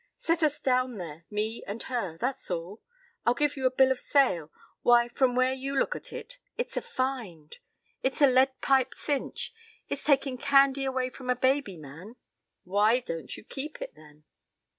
p> "Set us down there, me and her, that's all. I'll give you a bill of sale. Why, from where you look at it, it's a find! It's a lead pipe cinch! It's taking candy away from a baby, man!" "Why don't you keep it, then?"